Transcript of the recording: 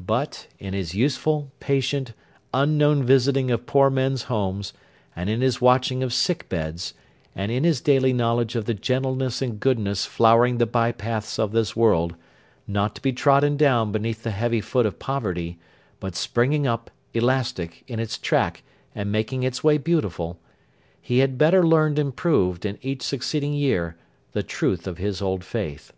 But, in his useful, patient, unknown visiting of poor men's homes; and in his watching of sick beds; and in his daily knowledge of the gentleness and goodness flowering the by paths of this world, not to be trodden down beneath the heavy foot of poverty, but springing up, elastic, in its track, and making its way beautiful; he had better learned and proved, in each succeeding year, the truth of his old faith.